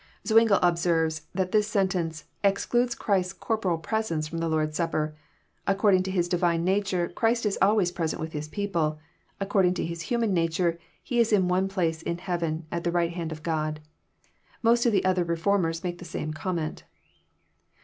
320 EXPOfiHOBT THOUGHTS. Zwlngle obserres that this sentence *< excludes Christ's corporal presence from the Lord's Supper. Accordin/i^ to His Divine nature, Clirist is always present with His people. Ac cording to His hnman nature. He is in one place in heaven, at the right hand of God. Most of the other reformers make the same conraient.